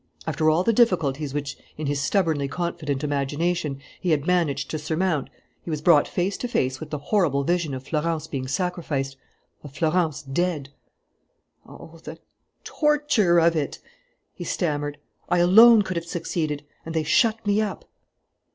After all the difficulties which, in his stubbornly confident imagination, he had managed to surmount, he was brought face to face with the horrible vision of Florence being sacrificed, of Florence dead! "Oh, the torture of it!" he stammered. "I alone could have succeeded; and they shut me up!"